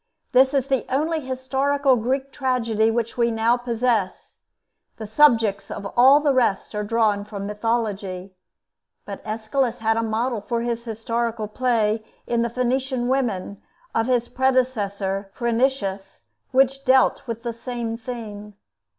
This is the only historical Greek tragedy which we now possess: the subjects of all the rest are drawn from mythology. But Aeschylus had a model for his historical play in the 'Phoenician Women' of his predecessor Phrynichus, which dealt with the same theme.